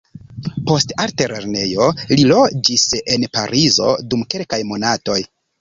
Post altlernejo, li loĝis en Parizo dum kelkaj monatoj.